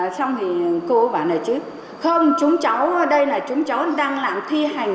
xong thì cô bảo này chứ không chúng cháu ở đây là chúng cháu đang làm thi hành